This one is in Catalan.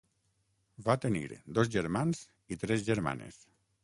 Va tenir dos germans i tres germanes.